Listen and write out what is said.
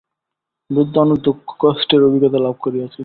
বৃদ্ধ অনেক দুঃখকষ্টের অভিজ্ঞতা লাভ করিয়াছেন।